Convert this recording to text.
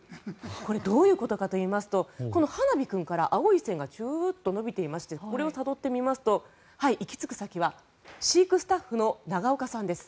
これはどういうことかといいますとこのはなび君から青い線がずっと延びていましてこれをたどってみますと行きつく先は飼育スタッフの長岡さんです。